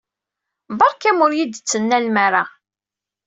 Beṛkam ur yi-d-ttnalem ara.